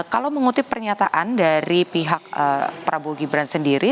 kalau mengutip pernyataan dari pihak prabowo gibran sendiri